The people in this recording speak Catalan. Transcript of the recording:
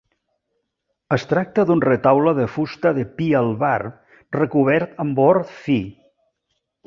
Es tracta d'un retaule de fusta de pi albar, recobert amb or fi.